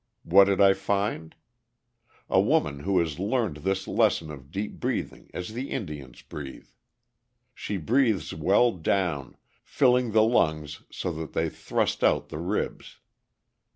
What did I find? A woman who has learned this lesson of deep breathing as the Indians breathe. She breathes well down, filling the lungs so that they thrust out the ribs.